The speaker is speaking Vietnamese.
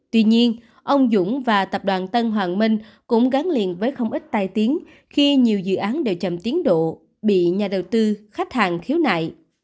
tuy nhiên ông dũng và tập đoàn tân hoàng minh cũng gắn liền với không ít tai tiếng khi nhiều dự án đều chậm tiến độ bị nhà đầu tư khách hàng khiếu nại